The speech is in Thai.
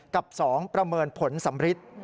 กับ๒ประเมินผลสำริท